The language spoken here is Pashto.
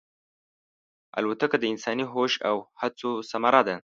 الوتکه د انساني هوش او هڅو ثمره ده.